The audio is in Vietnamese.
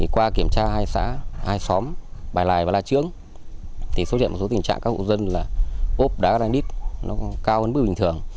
qua kiểm tra hai xóm bài lài và la trướng số diện một số tình trạng các hộ dân là ốp đá granite nó cao hơn bức bình thường